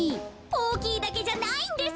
おおきいだけじゃないんです。